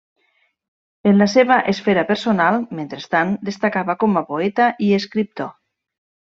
En la seva esfera personal, mentrestant, destacava com a poeta i escriptor.